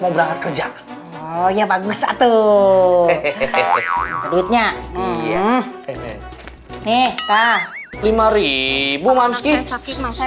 mau berangkat kerja oh ya bagus satu hehehe duitnya iya nih lima langsung sakit maksa